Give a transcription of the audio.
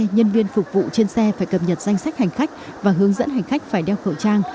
nhân viên phục vụ trên xe phải cập nhật danh sách hành khách và hướng dẫn hành khách phải đeo khẩu trang